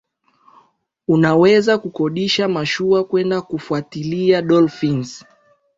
Unaweza kukodisha mashua kwenda kufuatilia dolphins